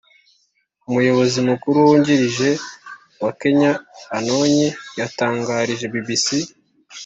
umuyobozi mukuru wungirije wa kenyaantony yatangarije bbc